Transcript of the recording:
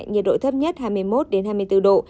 nhiệt độ thấp nhất hai mươi một hai mươi bốn độ